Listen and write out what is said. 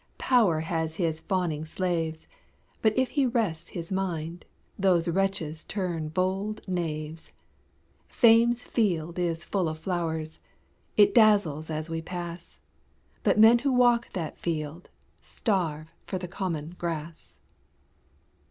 Power has his fawning slaves, But if he rests his mind, Those wretches turn bold knaves. Fame's field is full of flowers, It dazzles as we pass, But men who walk that field Starve for the common grass.